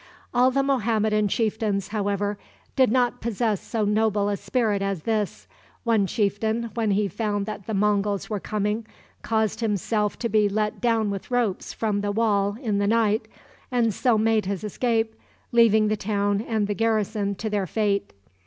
All the Mohammedan chieftains, however, did not possess so noble a spirit as this. One chieftain, when he found that the Monguls were coming, caused himself to be let down with ropes from the wall in the night, and so made his escape, leaving the town and the garrison to their fate.